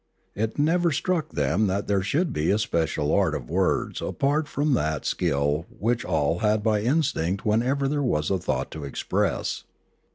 It never struck them that there should be a special art of words apart from that skill which all had by instinct whenever there was a thought to express.